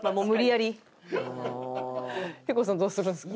ヒコさんどうするんですか？